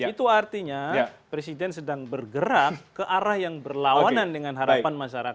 itu artinya presiden sedang bergerak ke arah yang berlawanan dengan harapan masyarakat